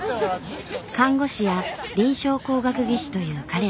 看護師や臨床工学技士という彼ら。